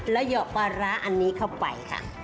แล้วเหยะปลาร้าอันนี้เข้าไปค่ะ